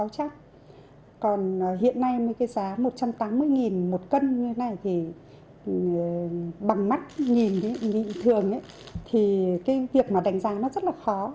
còn hiện nay mấy cái giá một trăm tám mươi một cân như thế này thì bằng mắt nhìn ý nhịn thường ý thì cái việc mà đánh giá nó rất là khó